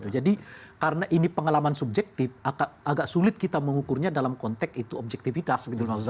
jadi karena ini pengalaman subjektif agak sulit kita mengukurnya dalam konteks objektifitas